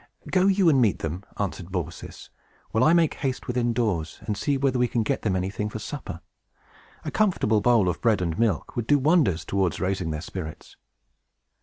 "Go you and meet them," answered Baucis, "while I make haste within doors, and see whether we can get them anything for supper. A comfortable bowl of bread and milk would do wonders towards raising their spirits."